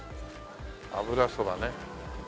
油そばね。